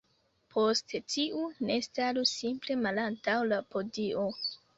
Post tiu, ne staru simple malantaŭ la podio